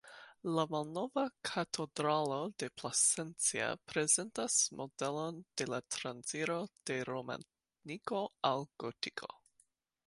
La Malnova Katedralo de Plasencia prezentas modelon de la transiro de romaniko al gotiko.